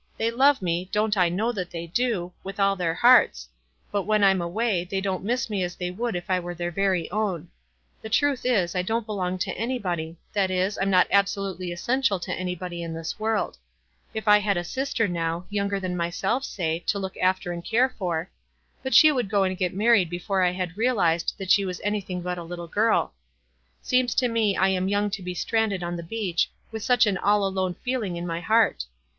They love me — don't I know that they do — with all their hearts ; but when I*m away they don't miss me as they would if I were their very own. The truth is, I don't belong to anybody , that is, I'm not absolutely essential to anybody 142 WISE AND OTHERWISE. in this world. If I bad a sister, now, younger than myself say, to look after and care for —■ But she would go and get married before I had realized that she was anything but a little girl. Seems to me I am young to be stranded on the beach, with such an ail alone feeling in my heart.